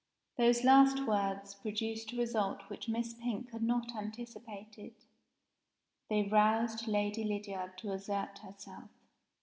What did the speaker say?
Those last words produced a result which Miss Pink had not anticipated they roused Lady Lydiard to assert herself.